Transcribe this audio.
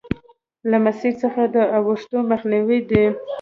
له مسیر څخه د اوښتو مخنیوی دی.